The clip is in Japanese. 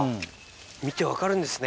見て分かるんですね。